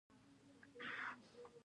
زما سلام دي وې پر ټولو مسافرو.